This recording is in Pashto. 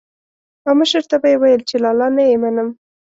او مشر ته به یې ويل چې لالا نه يې منم.